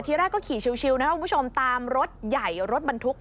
ทีแรกก็ขี่ชิวนะครับคุณผู้ชมตามรถใหญ่รถบรรทุก